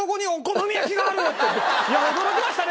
いや驚きましたね！